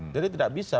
jadi tidak bisa